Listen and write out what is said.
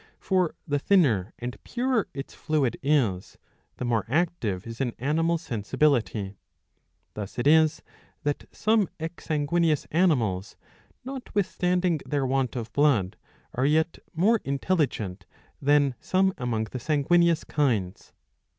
For the thinner and purer its fluid is, the more active is an animal's sensibility. Thus it is that some ex sanguineous animals, notwithstanding their want of blood, are yet more intelligent than some among the sanguineous kinds.